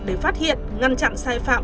để phát hiện ngăn chặn sai phạm